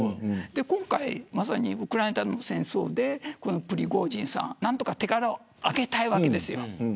今回ウクライナとの戦争でプリゴジンさんは何とか手柄を挙げたいわけです。